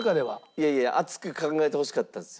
いやいや熱く考えてほしかったんですよ。